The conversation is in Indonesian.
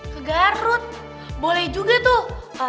ke garut boleh juga tuh